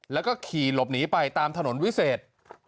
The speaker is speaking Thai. แล้วก็ขี่หลบหนีไปตามถนนวิเศษ